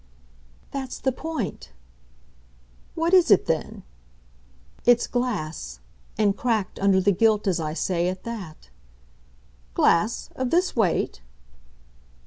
"That's the point." "What is it then?" "It's glass and cracked, under the gilt, as I say, at that." "Glass? of this weight?"